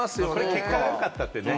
結果が良かったってね。